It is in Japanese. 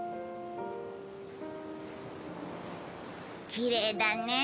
きれいだね。